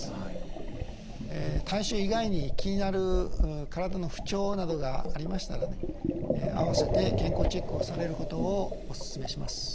体臭以外に気になる体の不調などがありましたら合わせて健康チェックをされることをお勧めします。